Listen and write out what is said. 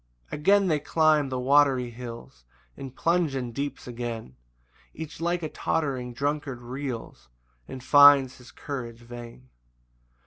3 [Again they climb the watery hills, And plunge in deeps again; Each like a tottering drunkard reels, And finds his courage vain.